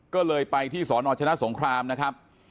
ก็เลยไปที่สนชนะสงครามนะครับ